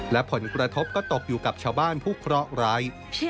และผลกระทบก็ตกอยู่กับชาวบ้านผู้เคราะห์ร้าย